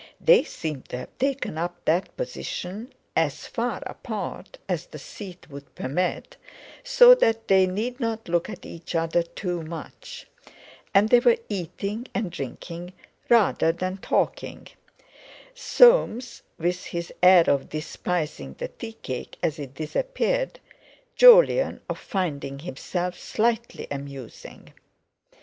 They seemed to have taken up that position, as far apart as the seat would permit, so that they need not look at each other too much; and they were eating and drinking rather than talking—Soames with his air of despising the tea cake as it disappeared, Jolyon of finding himself slightly amusing.